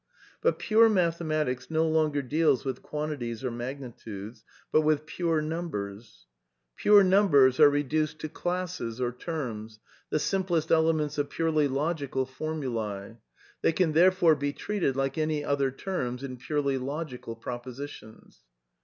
But pure mathematics no longer deals with quantities or magni tudes, but with pure numbers. Pure numbers are re THE NEW KEALISM 165 duced to "classes" or terms, the simplest elements of purely logical formul»; they can therefore be treated like any other terms in purely logical propositions.